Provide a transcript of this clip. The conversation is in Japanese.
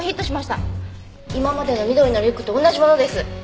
今までの緑のリュックと同じ物です。